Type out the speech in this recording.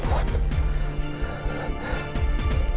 ini udah di luar batas